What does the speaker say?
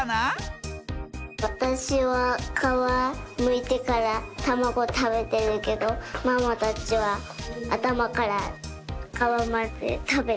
わたしはかわむいてからたまごたべてるけどママたちはあたまからかわまでたべてる。